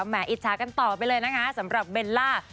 หมออิจฉากันต่อไปเลยนะคะสำหรับเบลล่า